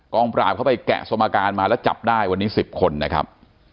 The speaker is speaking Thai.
ปราบเข้าไปแกะสมการมาแล้วจับได้วันนี้๑๐คนนะครับ